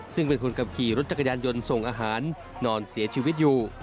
ซึ่งเป็นคนขับขี่รถจักรยานยนต์ส่งอาหารนอนเสียชีวิตอยู่